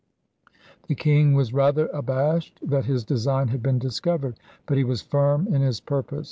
The king was rather abashed that his design had been discovered, but he was firm in his purpose.